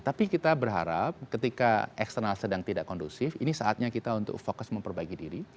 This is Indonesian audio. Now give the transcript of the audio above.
tapi kita berharap ketika eksternal sedang tidak kondusif ini saatnya kita untuk fokus memperbaiki diri